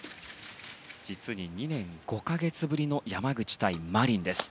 実に２年５か月ぶりの山口対マリンです。